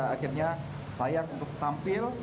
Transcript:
akhirnya layak untuk tampil